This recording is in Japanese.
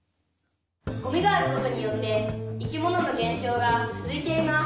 「ゴミがあることによって生き物の減少が続いています」。